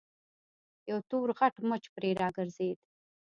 يو تور غټ مچ پرې راګرځېد.